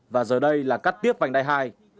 và giờ đây là cắt tiếp vành đai hai